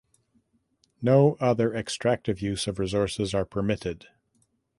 No other extractive use of resources are permitted.